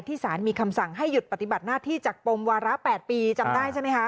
สารมีคำสั่งให้หยุดปฏิบัติหน้าที่จากปมวาระ๘ปีจำได้ใช่ไหมคะ